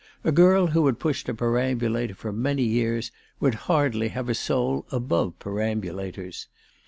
A girl who had pushed a perambulator for many years, would hardly have a soul above perambulators.